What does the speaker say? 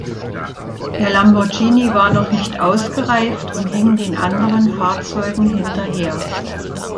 Der Lamborghini war noch nicht ausgereift und hing den anderen Fahrzeugen hinterher.